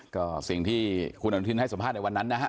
ก็สิ่งที่คุณอนุทินให้สัมภาษณ์ในวันนั้นนะฮะ